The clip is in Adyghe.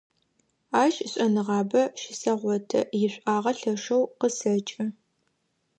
Ащ шӀэныгъабэ щысэгъоты, ишӀуагъэ лъэшэу къысэкӀы.